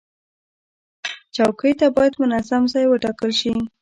چوکۍ ته باید منظم ځای وټاکل شي.